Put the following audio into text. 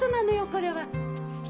これは。